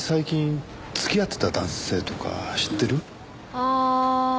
ああ。